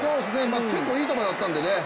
結構いい球だったんでね